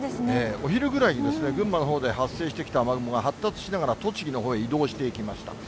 お昼ぐらいに群馬のほうで発生してきた雨雲が発達しながら、栃木のほうへ移動していきました。